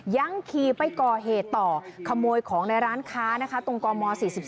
ยังขี่ไปก่อเหตุต่อขโมยของในร้านค้านะคะตรงกม๔๔